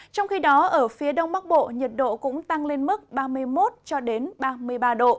trong khi đó ở phía đông bắc bộ nhiệt độ cũng tăng lên mức ba mươi một ba mươi ba độ